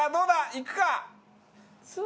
いくか？